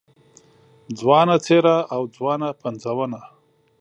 ځوانه څېره او ځوانه پنځونه